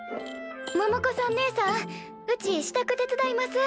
百子さんねえさんうちしたく手伝います。